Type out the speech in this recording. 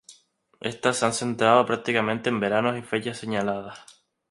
Estas se han centrado prácticamente en veranos y fechas señaladas.